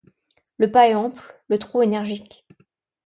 Le pas est ample, le trot énergique.